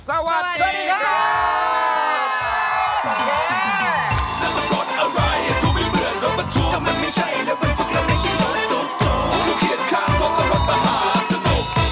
ครับผมจัดมัน